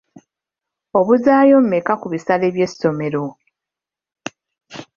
Obuzaayo mmeka ku bisale by'essomero?